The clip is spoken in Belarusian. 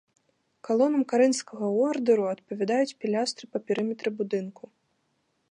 Калонам карынфскага ордэру адпавядаюць пілястры па перыметры будынку.